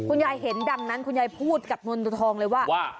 เห็นดังนั้นคุณยายพูดกับเงินตัวทองเลยว่า